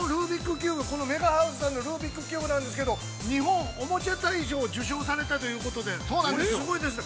◆そのルービックキューブなんですけど、日本おもちゃ大賞受賞されたということですごいですね。